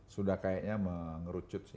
sudah kayaknya ngerucut sih